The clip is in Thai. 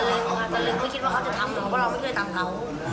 แต่ลืมเขาคิดว่าเขาจะทำหรือว่าเราไม่ได้ตามเขา